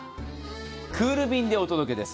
クール便でお届けです。